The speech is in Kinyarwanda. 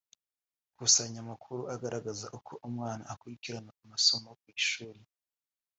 Ikusanya amakuru agaragaza uko umwana akurikirirana amasomo ku ishuri